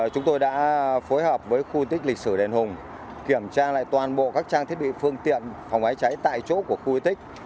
chúng tôi đã phối hợp với khu di tích lịch sử đền hùng kiểm tra lại toàn bộ các trang thiết bị phương tiện phòng cháy cháy tại chỗ của khu y tích